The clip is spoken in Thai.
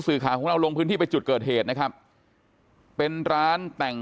ข่าวของเราลงพื้นที่ไปจุดเกิดเหตุนะครับเป็นร้านแต่ง